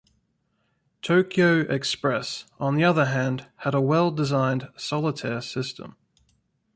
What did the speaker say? "Tokyo Express", on the other hand, had a well-designed solitaire system.